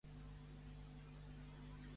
I encara ho